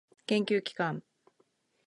研究機関